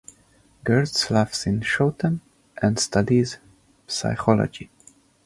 Geurts lives in Schoten and studies psychology.